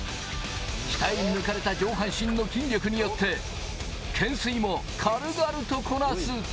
鍛え抜かれた上半身の筋力によって、懸垂も軽々とこなす。